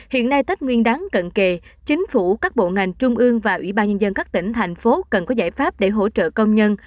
hiện nay tết nguyên đáng cận kề chính phủ các bộ ngành trung ương và ủy ban nhân dân các tỉnh thành phố cần có giải pháp để hỗ trợ công nhân